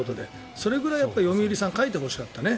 それぐらい読売さん書いてほしかったね。